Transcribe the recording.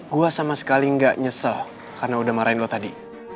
gue sama sekali nggak nyesel karena udah marahin lo tadi